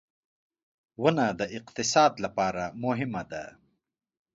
• ونه د اقتصاد لپاره مهمه ده.